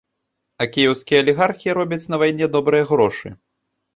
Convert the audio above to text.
А кіеўскія алігархі робяць на вайне добрыя грошы.